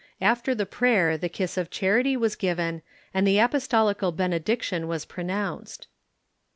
After the prayer the kiss of charity was given, and the apostolical benediction was pronounced.